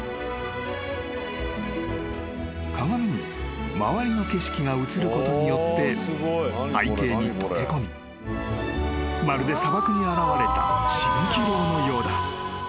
［鏡に周りの景色が映ることによって背景に溶け込みまるで砂漠に現れた蜃気楼のようだ］